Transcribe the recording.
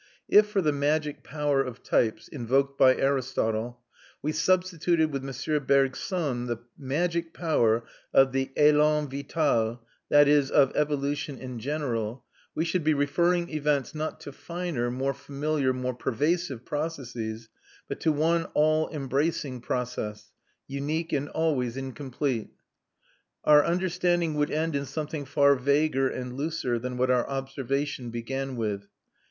If for the magic power of types, invoked by Aristotle, we substituted with M. Bergson the magic power of the élan vital, that is, of evolution in general, we should be referring events not to finer, more familiar, more pervasive processes, but to one all embracing process, unique and always incomplete. Our understanding would end in something far vaguer and looser than what our observation began with.